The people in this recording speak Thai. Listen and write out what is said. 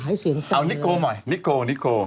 หายเสียงเสมอเอานิโคลใหม่นิโคล